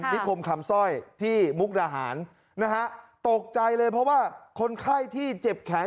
นิคมคำสร้อยที่มุกดาหารนะฮะตกใจเลยเพราะว่าคนไข้ที่เจ็บแขน